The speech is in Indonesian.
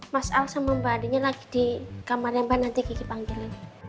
mas al sama mbak andinnya lagi di kamar lembah nanti kiki panggilin